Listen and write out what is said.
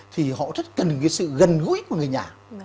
thì họ rất cần cái sự gần gũi của người nhà